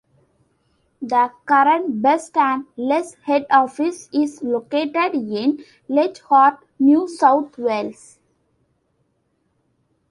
The current Best and Less head office is located in Leichhardt, New South Wales.